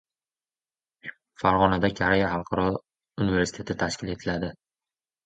Farg‘onada Koreya xalqaro universiteti tashkil etiladi